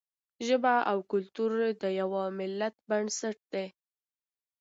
ژبه او کلتور د یوه ملت بنسټ دی.